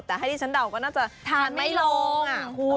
แต่ให้ดิฉันเดาก็น่าจะทานไม่ลง